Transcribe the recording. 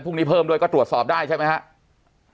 พวกนี้เพิ่มด้วยก็ตรวจสอบได้ใช่ไหมครับ